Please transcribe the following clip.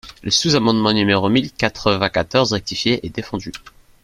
Le sous-amendement numéro mille quatre-vingt-quatorze rectifié est défendu.